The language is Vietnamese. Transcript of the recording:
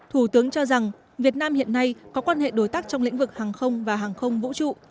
thủ tướng cho rằng việt nam hiện nay có quan hệ đối tác trong lĩnh vực hàng không và hàng không vũ trụ